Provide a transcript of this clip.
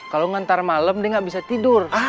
kalau nanti malem dia gak bisa tidur